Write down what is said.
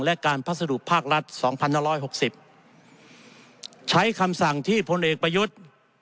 และการพัสดุภาครัฐสองพันห้าร้อยหกสิบใช้คำสั่งที่พลเอกประยุทธ์